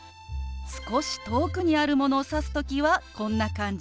少し遠くにあるものを指す時はこんな感じ。